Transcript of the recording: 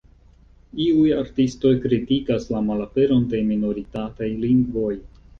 Iuj artistoj kritikas la malaperon de minoritataj lingvoj.